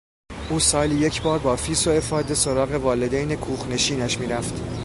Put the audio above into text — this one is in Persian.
او سالی یک بار با فیس و افاده سراغ والدین کوخ نشینش میرفت.